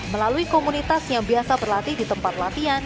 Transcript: melalui komunitas yang biasa berlatih di tempat latihan